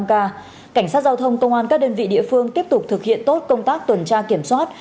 cảnh sát giao thông công an các đơn vị địa phương tiếp tục thực hiện tốt công tác tuần tra kiểm soát